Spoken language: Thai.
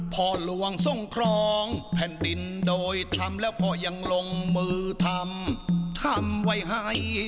พ่อหลวงทรงครองแผ่นดินโดยทำแล้วพ่อยังลงมือทำทำไว้ให้